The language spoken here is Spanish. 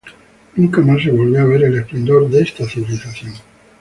Nunca más se volvió a ver el esplendor de esta civilización.